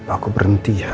aku berhenti ya